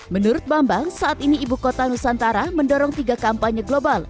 menurut bambang saat ini ibu kota nusantara mendorong tiga kampanye global